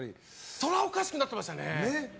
それはおかしくなってましたね。